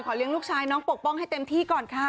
เลี้ยงลูกชายน้องปกป้องให้เต็มที่ก่อนค่ะ